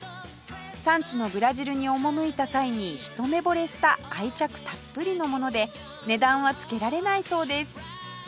産地のブラジルに赴いた際に一目ぼれした愛着たっぷりの物で値段はつけられないそうです